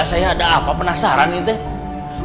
saya ada apa penasaran gitu ya